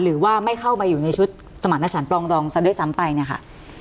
หรือว่าไม่เข้ามาอยู่ในชุดสมรรถสารปลองดองซะด้วยซ้ำไปเนี่ยค่ะ